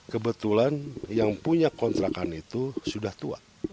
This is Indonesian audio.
kebetulan yang punya kontrakan itu sudah tua